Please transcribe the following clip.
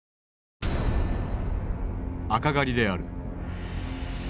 赤狩りである。